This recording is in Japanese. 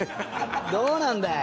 どうなんだい？